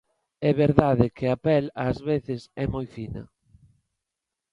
É verdade que a pel ás veces é moi fina.